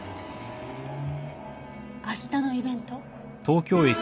明日のイベント？え！？